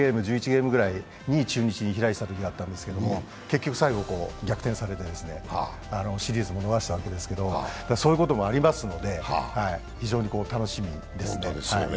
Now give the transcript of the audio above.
ゲームぐらい２位・中日に差がついていたんですが結局最後、逆転されてシリーズも逃したわけですけれども、そういうこともありますので、非常に楽しみですね。